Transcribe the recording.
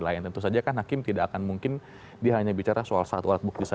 lain tentu saja kan hakim tidak akan mungkin dia hanya bicara soal satu alat bukti saja